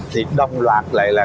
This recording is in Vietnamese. thì đồng loạt lại là